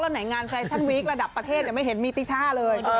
แล้วไหนงานแฟชั่นวีคระดับประเทศไม่เห็นมีติช่าเลย